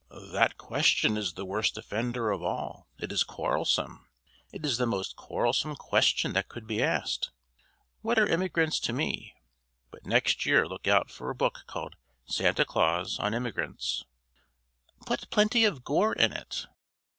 "That question is the worst offender of all; it is quarrelsome! It is the most quarrelsome question that could be asked. What are immigrants to me? But next year look out for a book called Santa Claus on Immigrants." "Put plenty of gore in it!"